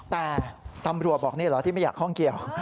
แต่ตำรวจบอกนี่เหรอที่ไม่อยากข้องเกี่ยว